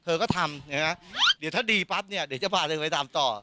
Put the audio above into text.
เธอก็ทำเดี๋ยวถ้าดีปั๊บจะพาเธอไปตามต่อ